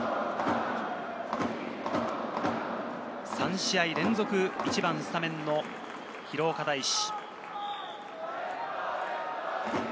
３試合連続、１番スタメンの廣岡大志。